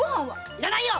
いらないよ